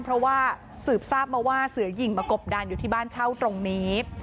เพราะว่าสืบทราบมาว่าเสือหญิงมากบดานอยู่ที่บ้านเช่าตรงนี้